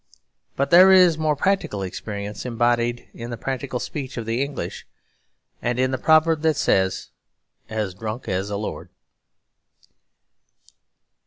But there is more practical experience embodied in the practical speech of the English; and in the proverb that says 'as drunk as a lord.'